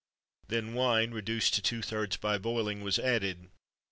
Then wine, reduced to two thirds by boiling, was added.